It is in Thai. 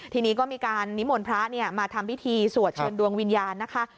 ทีนี้ก็มีการนิมนต์พระมาทำพิธีสวดเชิญดวงวิญญาณนะคะ